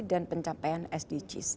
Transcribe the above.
dan pencapaian sdg